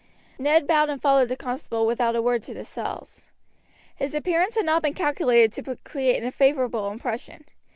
Ned bowed and followed the constable without a word to the cells. His appearance had not been calculated to create a favorable impression.